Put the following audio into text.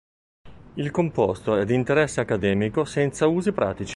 Il composto è di interesse accademico, senza usi pratici.